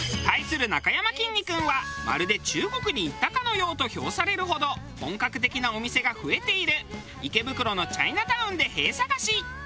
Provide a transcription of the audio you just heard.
対するなかやまきんに君はまるで中国に行ったかのようと評されるほど本格的なお店が増えている池袋のチャイナタウンで「へぇ」探し。